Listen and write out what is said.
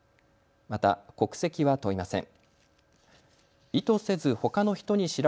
また、国籍は問いません。